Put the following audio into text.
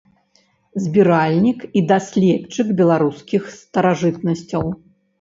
Збіральнік і даследчык беларускіх старажытнасцяў.